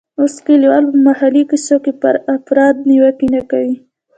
اوس کلیوال په محلي کیسو کې پر افراط نیوکې نه کوي.